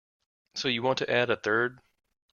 So you want to add a third?